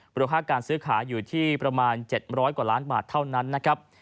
รวมค่าการซื้อขายอยู่ที่ประมาณ๗๐๐กว่าล้านบาทเท่านั้นนะครับ